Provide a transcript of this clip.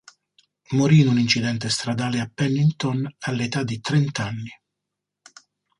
Morì in un incidente stradale a Pennington all'età di trent'anni.